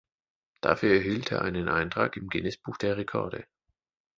Dafür erhielt er einen Eintrag im Guinness-Buch der Rekorde.